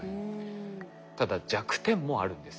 ただ弱点もあるんですよね。